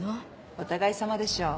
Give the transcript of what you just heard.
お互いさまでしょう。